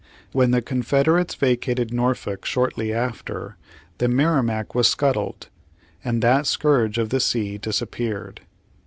When the Confederates vacated Norfolk shortly after, the Merrimac was scuttled, and that scourge of the sea disappeared.